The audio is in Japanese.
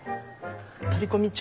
取り込み中？